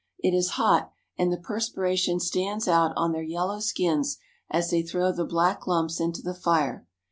It is hot, and the perspiration stands out on their yellow skins as they throw the black lumps into the fire.